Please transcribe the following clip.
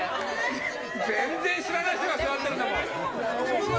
全然知らない人が座ってるんだもの。